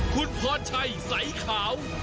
คุณพรชัยใสขาว